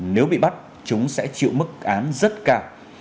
nếu bị bắt chúng sẽ chịu mức án rất cao